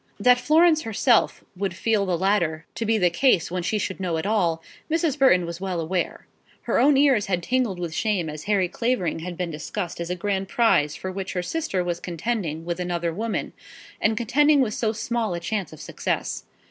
That Florence herself would feel the latter to be the case, when she should know it all, Mrs. Burton was well aware. Her own ears had tingled with shame as Harry Clavering had been discussed as a grand prize for which her sister was contending with another woman, and contending with so small a chance of success.